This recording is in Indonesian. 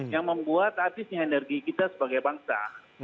yang membuat artisnya energi kita sebagai bangsa